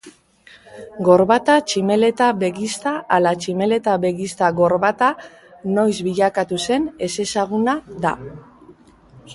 Gorbata tximeleta-begizta ala tximeleta-begizta gorbata noiz bilakatu zen ezezaguna da.